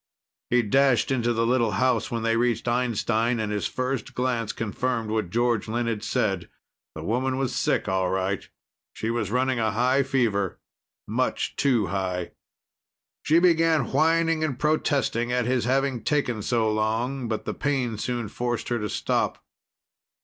He dashed into the little house when they reached Einstein, and his first glance confirmed what George Lynn had said. The woman was sick, all right. She was running a high fever. Much too high. She began whining and protesting at his having taken so long, but the pain soon forced her to stop.